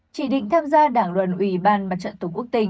chỉ định tham gia đảng đoàn ủy ban mặt trận tổ quốc tỉnh